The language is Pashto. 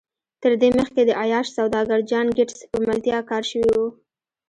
تر دې مخکې د عیاش سوداګر جان ګیټس په ملتیا کار شوی و